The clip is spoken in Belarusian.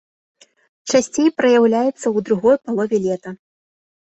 Часцей праяўляецца ў другой палове лета.